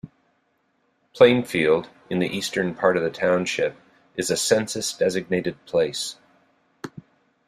Plainfield, in the eastern part of the township, is a census-designated place.